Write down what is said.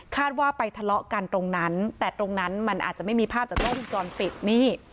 คาดว่าไปทะเลาะกันตรงนั้นแต่ตรงนั้นมันอาจจะไม่มีภาพจากโลกที่จอนปิด